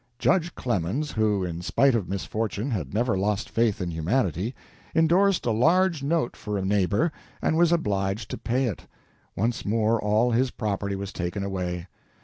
Judge Clemens, who, in spite of misfortune, had never lost faith in humanity, indorsed a large note for a neighbor, and was obliged to pay it. Once more all his property was taken away.